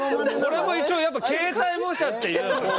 これも一応やっぱ形態模写っていう。